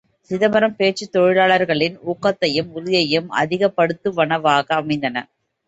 சிதம்பரம் பேச்சு தொழிலாளர்களின் ஊக்கத்தையும் உறுதியையும் அதிகப்படுத்துவனவாக அமைந்தன!